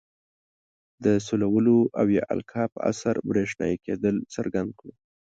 د سولولو او یا القاء په اثر برېښنايي کیدل څرګند کړو.